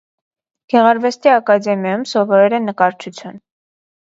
Գեղարվեստի ակադեմիայում սովորել է նկարչություն։